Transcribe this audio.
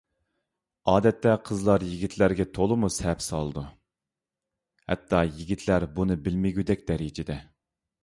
ئادەتتە قىزلار يىگىتلەرگە تولىمۇ سەپسالىدۇ. ھەتتا يىگىتلەر بۇنى بىلەلمىگۈدەك دەرىجىدە.